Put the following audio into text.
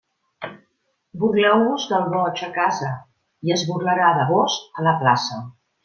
Burleu-vos del boig a casa, i es burlarà de vós a la plaça.